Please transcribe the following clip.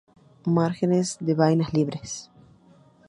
Márgenes de vainas libres.